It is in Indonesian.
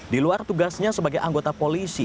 di luar tugasnya sebagai anggota polisi